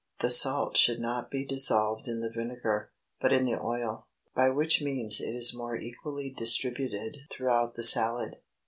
The salt should not be dissolved in the vinegar, but in the oil, by which means it is more equally distributed throughout the salad."